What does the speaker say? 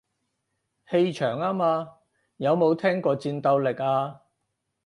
氣場吖嘛，有冇聽過戰鬥力啊